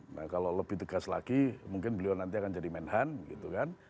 nah kalau lebih tegas lagi mungkin beliau nanti akan jadi menhan gitu kan